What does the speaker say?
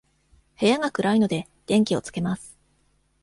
部屋が暗いので、電気をつけます。